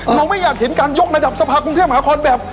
น้องไม่อยากเห็นการยกระดับสภาคมเที่ยงหาคลแบบ